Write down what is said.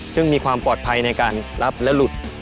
ซึ่งมีความปลอดภัยในการรับและหลุด